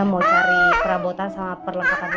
mau cari perabotan sama perlengkapan